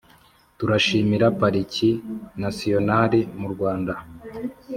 Turashimira Pariki Nasiyonali mu Rwanda